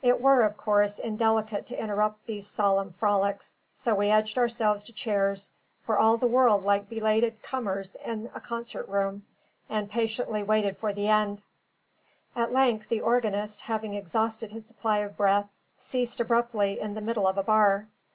It were, of course, indelicate to interrupt these solemn frolics; so we edged ourselves to chairs, for all the world like belated comers in a concert room, and patiently waited for the end. At length the organist, having exhausted his supply of breath, ceased abruptly in the middle of a bar.